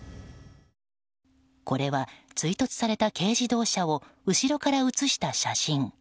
これは追突された軽自動車を後ろから写した写真。